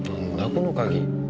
この鍵。